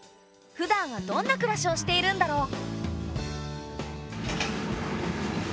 ふだんはどんな暮らしをしているんだろう。